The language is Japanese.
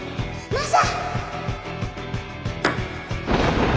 マサ！